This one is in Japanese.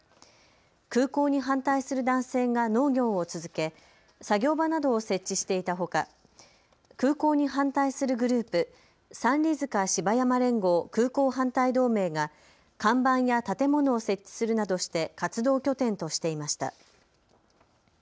空港に反対する男性が農業を続け、作業場などを設置していたほか空港に反対するグループ、三里塚芝山連合空港反対同盟が看板や建物を設置するなどして活動拠点としていました。